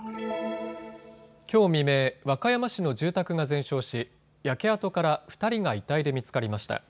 きょう未明、和歌山市の住宅が全焼し焼け跡から２人が遺体で見つかりました。